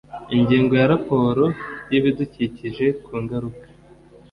ingingo ya raporo y ibidukikije ku ngaruka